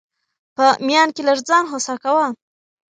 په ميان کي لږ ځان هوسا کوه!